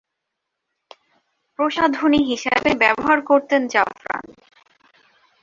প্রসাধনী হিসেবে ব্যবহার করতেন জাফরান।